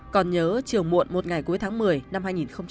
còn nhớ chiều muộn một ngày cuối tháng một mươi năm hai nghìn một mươi chín